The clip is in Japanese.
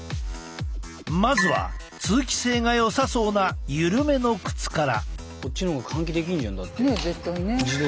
まずは通気性がよさそうなゆるめの靴から。